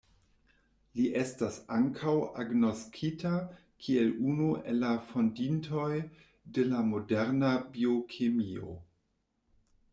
Li estas ankaŭ agnoskita kiel unu el la fondintoj de la moderna biokemio.